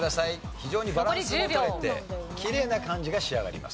非常にバランスも取れてきれいな漢字が仕上がります。